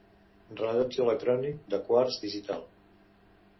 Rellotge electrònic, de quars, digital.